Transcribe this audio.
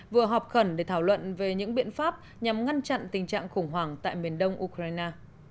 vừa họp khẩn để thảo luận về những biện pháp nhằm ngăn chặn tình trạng khủng hoảng tại miền đông ukraine